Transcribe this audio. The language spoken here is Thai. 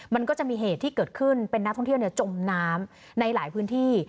มันก็จะมีเหตุที่เกิดขึ้นเป็นนักท่องเที่ยวจมน้ำในหลายพื้นที่